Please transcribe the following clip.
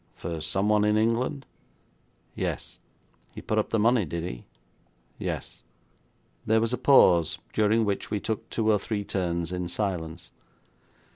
'For someone in England?' 'Yes.' 'He put up the money, did he?' 'Yes.' There was a pause, during which we took two or three turns in silence.